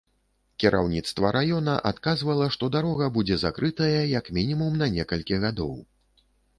Кіраўніцтва раёна адказвала, што дарога будзе закрытая як мінімум на некалькі гадоў.